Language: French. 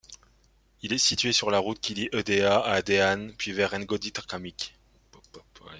Il est situé sur la route qui lie Edéa à Dehane puis vers Ndogtimacrique.